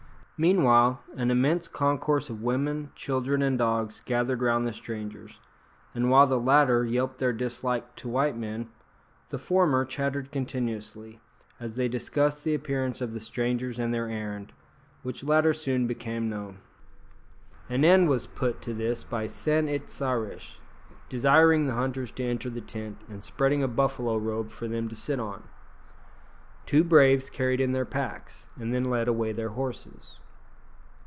Meanwhile an immense concourse of women, children, and dogs gathered round the strangers, and while the latter yelped their dislike to white men, the former chattered continuously, as they discussed the appearance of the strangers and their errand, which latter soon became known. An end was put to this by San it sa rish desiring the hunters to enter the tent, and spreading a buffalo robe for them to sit on. Two braves carried in their packs, and then led away their horses.